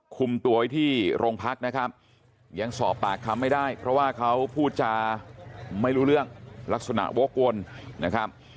คุมตัวไว้ที่โรงพักนะครับยังสอบปากคำไม่ได้เพราะว่าเขาพูดจาไม่รู้เรื่องลักษณะวกวนนะครับ